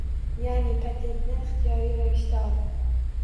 Ya’ni, patentni ixtiyoriy ravishda ol